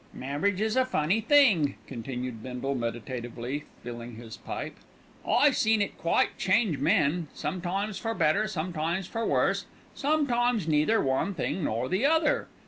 "Marriage is a funny thing," continued Bindle, meditatively filling his pipe. "I seen it quite change men, sometimes for better, sometimes for worse, sometimes neither one thing nor the other.